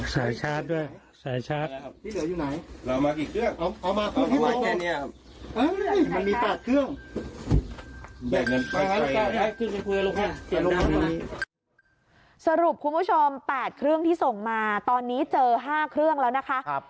สรุปคุณผู้ชม๘เครื่องที่ส่งมาตอนนี้เจอ๕เครื่องแล้วนะคะ